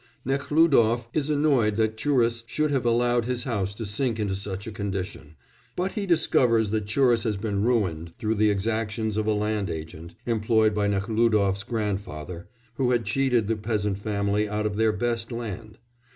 Nekhlúdof is annoyed that Churis should have allowed his house to sink into such a condition, but he discovers that Churis has been ruined through the exactions of a land agent (employed by Nekhlúdof's grandfather), who had cheated the peasant family out of their best land.